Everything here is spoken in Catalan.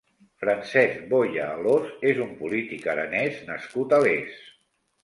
Francés Boya Alòs és un polític aranès nascut a Les.